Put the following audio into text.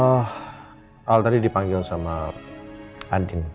awal tadi dipanggil sama andin